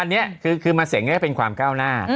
อันนี้คือมาเสงก็จะเป็นความก้าวหน้า